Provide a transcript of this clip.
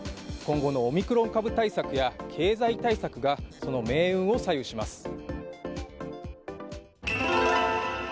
今後のオミクロン株対策や経済対策が、その命運を左右します。